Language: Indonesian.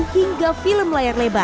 hingga film layar lebar